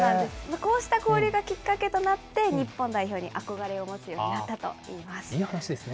こうした交流がきっかけとなって、日本代表に憧れを持つようになっいい話ですね。